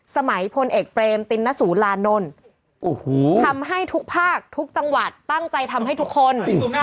พลเอกเปรมตินนสุรานนท์ทำให้ทุกภาคทุกจังหวัดตั้งใจทำให้ทุกคน